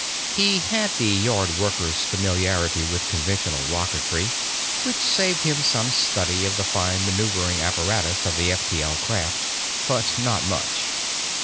He had the Yard worker's familiarity with conventional rocketry, which saved him some study of the fine maneuvering apparatus of the F T L craft—but not much.